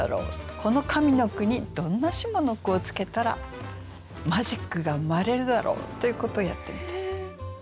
この上の句にどんな下の句をつけたらマジックが生まれるだろう？ということをやってみて。